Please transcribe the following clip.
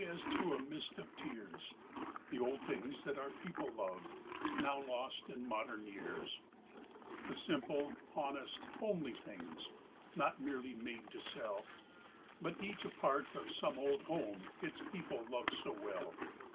[a CLOSE times through a ' TheTld things tha | our people loved, _] now lost in mod¬ ern years; The simple, honest, homely things merely made sell, But each a part of some old home its pie loved so well.